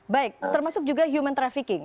baik termasuk juga human trafficking